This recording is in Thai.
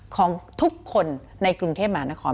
ของทุกคนในกรุงเทพมหานคร